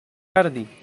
gardi